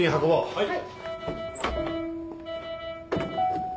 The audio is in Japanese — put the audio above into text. はい！